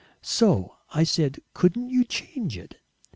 "So I said 'Couldn't you change it?'